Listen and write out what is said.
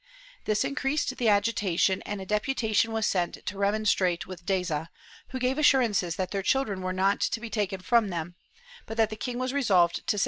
This increased the agitation and a deputation was sent to remon strate with Deza, who gave assurances that their children were not to be taken from them, but that the king was resolved to save * Marmol Carvajal, pp.